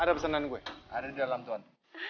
ada pesanan gue ada di dalam tuan